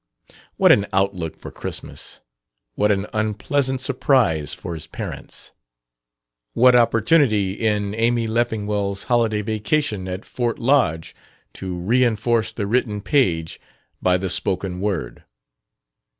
What an outlook for Christmas! What an unpleasant surprise for his parents! What opportunity in Amy Leffingwell's holiday vacation at Fort Lodge to reinforce the written page by the spoken word!